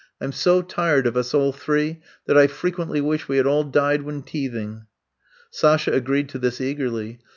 I 'm so tired of us all three that I frequently wish we had all died when teething. '^ Sasha agreed to this eagerly.